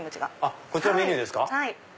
こちらメニューですか。